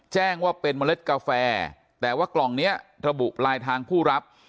แจ้งว่าเป็นเมล็ดกาแฟแต่ว่ากล่องนี้ระบุปลายทางผู้รับ